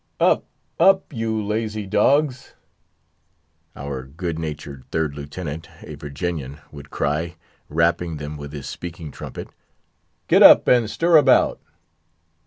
"Up—up, you lazy dogs!" our good natured Third Lieutenant, a Virginian, would cry, rapping them with his speaking trumpet. "Get up, and stir about."